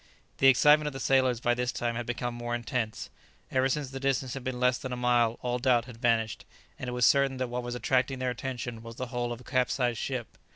The excitement of the sailors by this time had become more intense. Ever since the distance had been less than a mile all doubt had vanished, and it was certain that what was attracting their attention was the hull of a capsized ship.